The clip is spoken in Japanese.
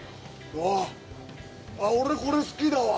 うわっ、俺、これ好きだわ。